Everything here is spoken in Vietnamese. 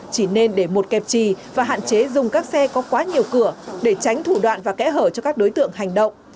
chỉ nên để một kẹp trì và hạn chế dùng các xe có quá nhiều cửa để tránh thủ đoạn và kẽ hở cho các đối tượng hành động